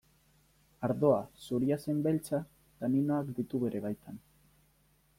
Ardoa, zuria zein beltza, taninoak ditu bere baitan.